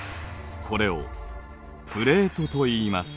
これをプレートといいます。